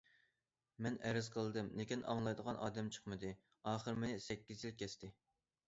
مەن ئەرز قىلدىم، لېكىن ئاڭلايدىغان ئادەم چىقمىدى، ئاخىر مېنى سەككىز يىل كەستى.